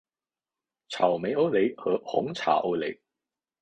草莓欧蕾和红茶欧蕾